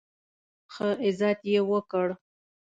ښه عزت یې وکړ.